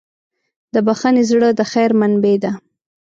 د بښنې زړه د خیر منبع ده.